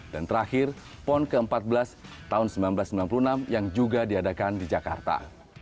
dan terakhir pon ke empat belas tahun seribu sembilan ratus sembilan puluh enam yang juga diadakan di jakarta